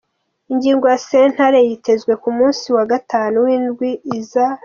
Ingingo ya sentare yitezwe ku musi wa gatanu w'indwi iza.